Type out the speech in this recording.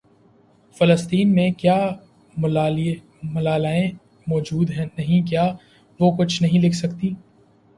فلسطین میں کیا ملالائیں موجود نہیں کیا وہ کچھ نہیں لکھ سکتیں